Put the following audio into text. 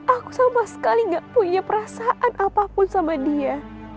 aku sama sekali gak punya perasaan apapun sama dia